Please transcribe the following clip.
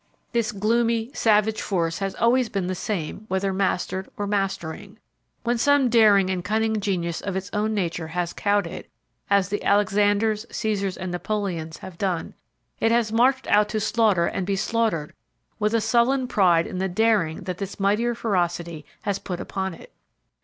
This gloomy, savage force has always been the same whether mastered or mastering. When some daring and cunning genius of its own nature has cowed it, as the Alexanders, Cæsars and Napoleons have done, it has marched out to slaughter and be slaughtered with a sullen pride in the daring that this mightier ferocity has put upon it.